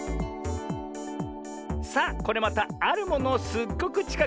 さあこれまたあるものをすっごくちかくでみているよ。